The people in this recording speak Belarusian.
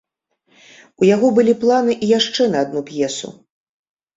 У яго былі планы і яшчэ на адну п'есу.